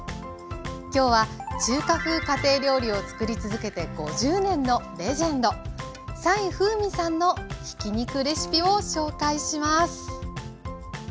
今日は中華風家庭料理をつくり続けて５０年のレジェンド斉風瑞さんのひき肉レシピを紹介します。